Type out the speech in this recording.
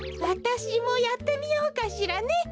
わたしもやってみようかしらね。